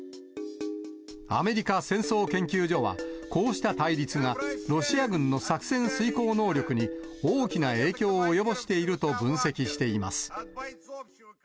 アメリカ戦争研究所は、こうした対立がロシア軍の作戦遂行能力に大きな影響を及ぼしていると分析しています。